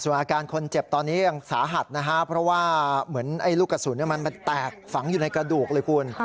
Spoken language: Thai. อาการคนเจ็บตอนนี้ยังสาหัสนะครับเพราะว่าเหมือนลูกกระสุนมันแตกฝังอยู่ในกระดูกเลยคุณ